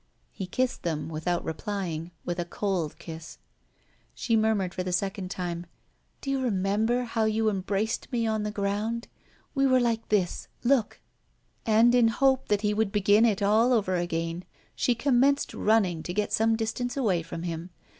He kissed them, without replying, with a cold kiss. She murmured for the second time: "Do you remember how you embraced me on the ground. We were like this look!" And in the hope that he would begin it all over again she commenced running to get some distance away from him.